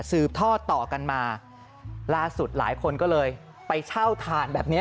สืบทอดต่อกันมาล่าสุดหลายคนก็เลยไปเช่าถ่านแบบนี้